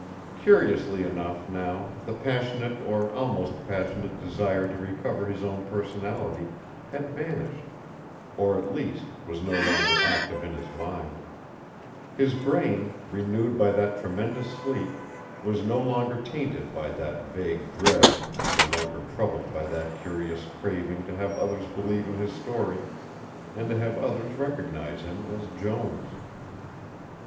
Curiously enough, now, the passionate or almost passionate desire to recover his own personality had vanished, or at least, was no longer active in his mind; his brain, renewed by that tremendous sleep, was no longer tainted by that vague dread, no longer troubled by that curious craving to have others believe in his story and to have others recognize him as Jones.